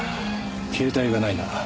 携帯がないな。